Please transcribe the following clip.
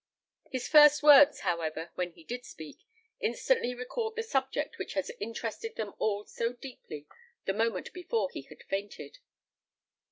His first words, however, when he did speak, instantly recalled the subject which had interested them all so deeply the moment before he had fainted.